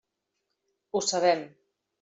Ho sabem.